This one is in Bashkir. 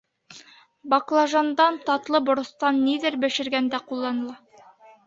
Баклажандан, татлы боростан ниҙер бешергәндә ҡулланыла.